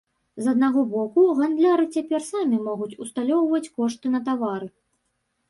З аднаго боку, гандляры цяпер самі могуць усталёўваць кошты на тавары.